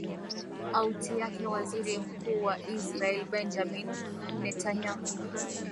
auti yake waziri mkuu wa israel benjamin netanyahu